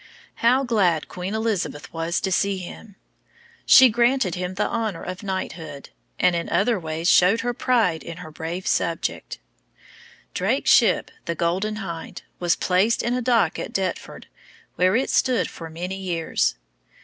How glad Queen Elizabeth was to see him! She granted him the honor of knighthood, and in other ways showed her pride in her brave subject. Drake's ship, the Golden Hind, was placed in a dock at Deptford, where it stood for many years.